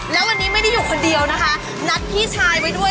แล้ววันนี้ไม่ได้อยู่คนเดียวนะคะนัดพี่ชายไว้ด้วย